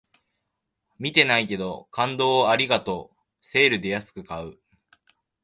見てないけど、感動をありがとうセールで安く買う